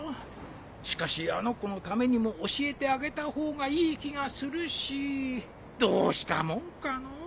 しかしあの子のためにも教えてあげた方がいい気がするしどうしたもんかのう。